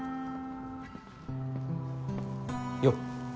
よっ！